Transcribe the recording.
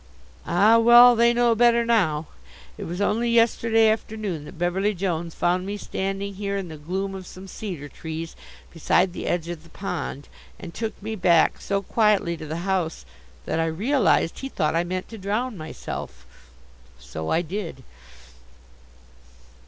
Ah, well! They know better now. It was only yesterday afternoon that Beverly Jones found me standing here in the gloom of some cedar trees beside the edge of the pond and took me back so quietly to the house that I realized he thought I meant to drown myself. So I did.